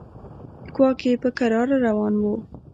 کواګې په کراره روان و.